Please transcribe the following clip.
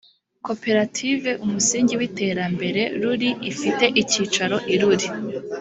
koperative umusingi w’iterambere ruli ifite icyicaro i ruli